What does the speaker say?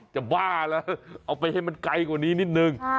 จะปล่าหละเอาไปให้มันใกล้กว่านี้นิดหนึ่ง